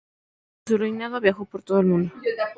Durante su reinado viajó por todo el mundo.